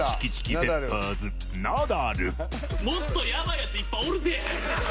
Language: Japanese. もっとやばいやついっぱいおるで！